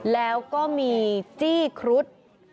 แล้วก็มีจี้ครุฑ